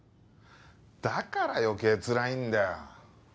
だから余計つらいんだよ。